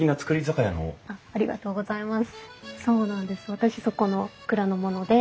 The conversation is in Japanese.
私そこの蔵の者で。